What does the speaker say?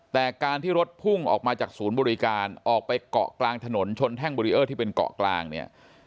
แต่การที่รถพุ่งออกมาจากศูนย์บริการออกไปเกาะกลางถนนชนแท่งเบรีเออร์ที่เป็นเกาะกลางเนี่ย